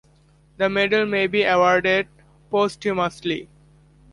The medal may be awarded posthumously.